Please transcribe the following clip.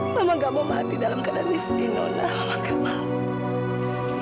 mama nggak mau mati dalam keadaan ini nona mama nggak mau